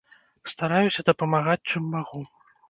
Стараюся дапамагаць, чым магу.